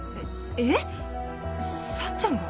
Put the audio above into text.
えっ幸ちゃんが？